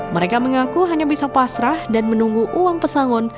mereka mengaku hanya bisa pasrah dan menunggu uang pesangon